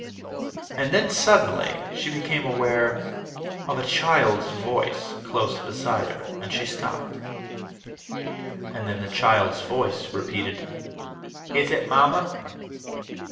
And then suddenly she became aware of a child's voice close beside her, and she stopped. And then the child's voice repeated, "Is it Mamma?"